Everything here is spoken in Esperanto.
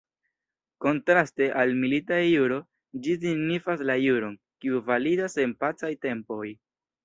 Kontraste al "milita juro" ĝi signifas la juron, kiu validas en pacaj tempoj.